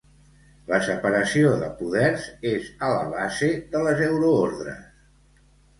La separació de poders és a la base de les euroordres.